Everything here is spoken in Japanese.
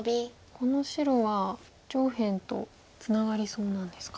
この白は上辺とツナがりそうなんですか。